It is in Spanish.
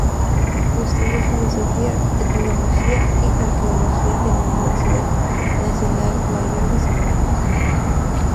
Estudió Filosofía, Etnología y Arqueología en la Universidad Nacional Mayor de San Marcos.